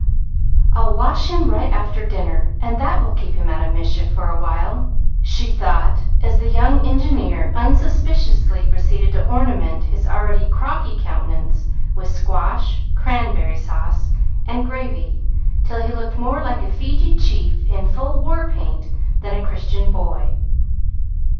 "I'll wash him right after dinner, and that will keep him out of mischief for a while," she thought, as the young engineer unsuspiciously proceeded to ornament his already crocky countenance with squash, cranberry sauce, and gravy, till he looked more like a Fiji chief in full war paint than a Christian boy.